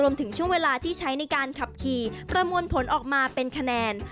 ถึงช่วงเวลาที่ใช้ในการขับขี่ประมวลผลออกมาเป็นคะแนน